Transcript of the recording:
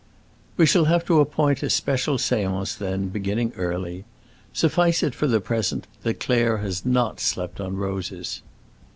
"We shall have to appoint a special séance, then, beginning early. Suffice it for the present that Claire has not slept on roses.